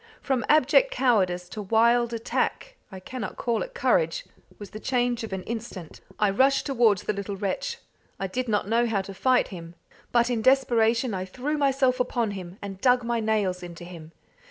From abject cowardice to wild attack I cannot call it courage was the change of an instant. I rushed towards the little wretch. I did not know how to fight him, but in desperation I threw myself upon him, and dug my nails into him.